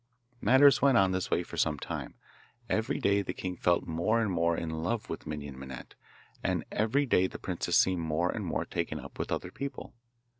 Matters went on this way for some time. Every day the king fell more and more in love with Minon Minette, and every day the princess seemed more and more taken up with other people.